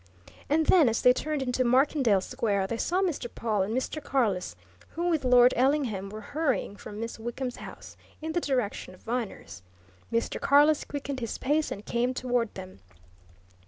And then, as they turned into Markendale Square, they saw Mr. Pawle and Mr. Carless, who, with Lord Ellingham, were hurrying from Miss Wickham's house in the direction of Viner's. Mr. Carless quickened his pace and came toward them.